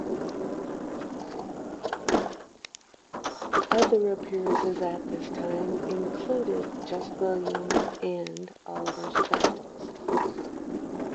Other appearances at this time included "Just William" and "Oliver's Travels".